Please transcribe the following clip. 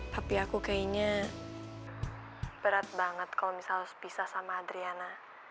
papi aku kayaknya berat banget kalau misalnya sepisah sama adriana